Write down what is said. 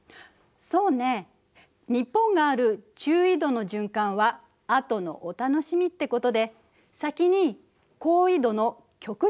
そうね日本がある中緯度の循環はあとのお楽しみってことで先に高緯度の極地方を見てみましょう。